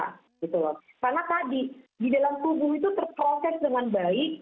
karena tadi di dalam tubuh itu terproses dengan baik